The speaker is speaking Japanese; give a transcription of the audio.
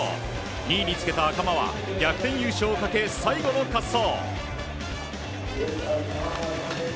２位につけた赤間は逆転優勝をかけ最後の滑走。